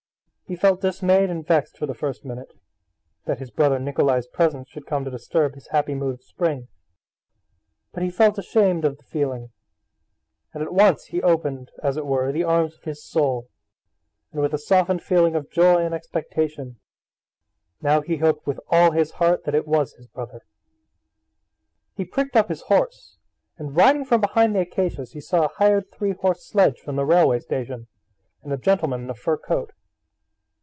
'" He felt dismayed and vexed for the first minute, that his brother Nikolay's presence should come to disturb his happy mood of spring. But he felt ashamed of the feeling, and at once he opened, as it were, the arms of his soul, and with a softened feeling of joy and expectation, now he hoped with all his heart that it was his brother. He pricked up his horse, and riding out from behind the acacias he saw a hired three horse sledge from the railway station, and a gentleman in a fur coat.